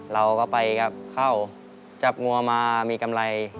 เราก็ไปกลับเข้าจับงัวมามีกำไร